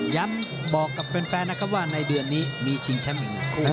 บอกกับแฟนนะครับว่าในเดือนนี้มีชิงแชมป์อีกหนึ่งคู่